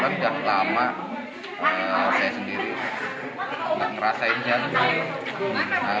karena sudah lama saya sendiri tidak merasakan jantung